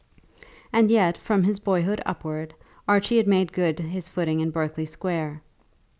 And yet from his boyhood upwards Archie had made good his footing in Berkeley Square.